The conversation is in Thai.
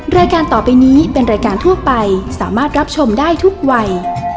รายการต่อไปนี้เป็นรายการทั่วไปสามารถรับชมได้ทุกวัย